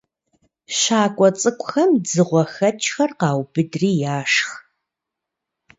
«ЩакӀуэ цӀыкӀухэм» дзыгъуэхэкӀхэр къаубыдри яшх.